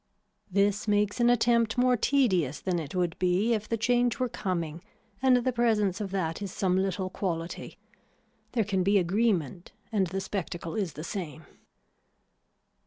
This makes an attempt more tedious than it would be if the change were coming and the presence of that is some little quality. There can be agreement and the spectacle is the same.